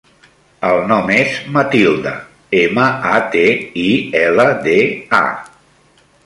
El nom és Matilda: ema, a, te, i, ela, de, a.